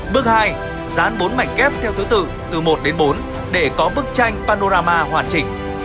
bước hai dán bốn mảnh kép theo thứ tự từ một đến bốn để có bức tranh panorama hoàn chỉnh